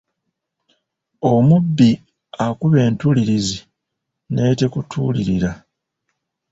Omubbi akubba entuulirizi n’etekutuulirira.